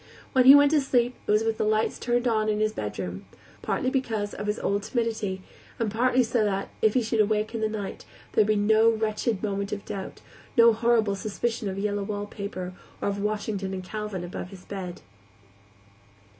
When he went to sleep it was with the lights turned on in his bedroom; partly because of his old timidity, and partly so that, if he should wake in the night, there would be no wretched moment of doubt, no horrible suspicion of yellow wallpaper, or of Washington and Calvin above his bed.